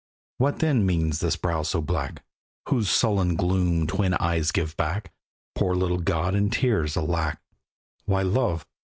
What then means this brow so black, Whose sullen gloom twin eyes give back, Poor little god in tears, alack! Why love!